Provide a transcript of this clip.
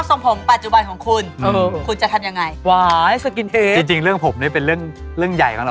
สมมุตินะคะสาวที่คุณกำลังจีบอยู่